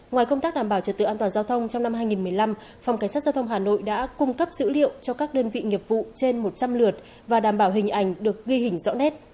ngoài công tác đảm bảo trật tự an toàn giao thông trong năm hai nghìn một mươi năm phòng cảnh sát giao thông hà nội đã cung cấp dữ liệu cho các đơn vị nghiệp vụ trên một trăm linh lượt và đảm bảo hình ảnh được ghi hình rõ nét